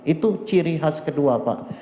itu ciri khas kedua pak